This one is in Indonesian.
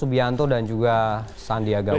subianto dan juga sandiaga uno